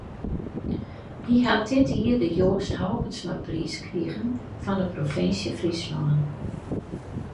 Hy hat dit jier de Joast Halbertsmapriis krige fan de Provinsje Fryslân.